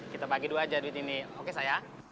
kita bagi dua aja duit ini oke saya